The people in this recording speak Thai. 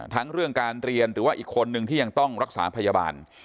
ทั้งเรื่องการเรียนหรือว่าอีกคนนึงที่ยังต้องรักษาพยาบาล